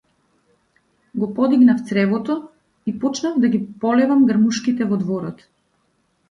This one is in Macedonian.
Го подигнав цревото и почнав да ги полевам грмушките во дворот.